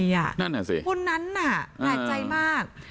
นั่นหรอสิคนนั้นน่ะหายใจมาก